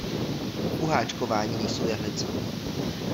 U háčkování nejsou jehlice.